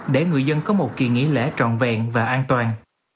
để người dân có một kỳ nghỉ lễ trọn vẹn và an toàn